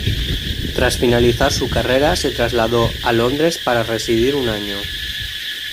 Tras finalizar su carrera, se trasladó a Londres para residir un año.